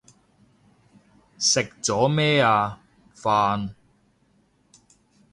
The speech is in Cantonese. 食咗咩啊？飯